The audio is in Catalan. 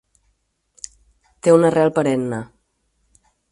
Té una arrel perenne.